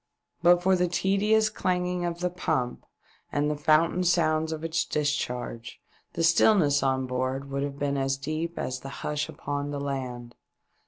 But for the tedious clanging of the pump and the fountain sounds of its discharge, the stillness on board would have been as deep as the hush upon the land.